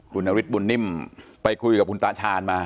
คุณนฤทธบุญนิ่มไปคุยกับคุณตาชาญมา